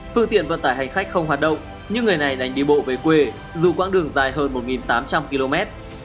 phương tiện vận tải hành khách không hoạt động nhưng người này đành đi bộ về quê dù quãng đường dài hơn một tám trăm linh km